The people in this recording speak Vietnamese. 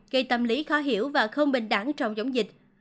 gây tâm lý khó hiểu và không bình đẳng trong giống dịch